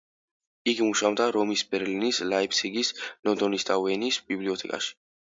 იგი მუშაობდა რომის, ბერლინის, ლაიფციგის, ლონდონის და ვენის ბიბლიოთეკებში.